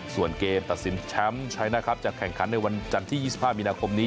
ส่วนเกมตัดสินแชมป์ใช้นะครับจะแข่งขันในวันจันทร์ที่๒๕มีนาคมนี้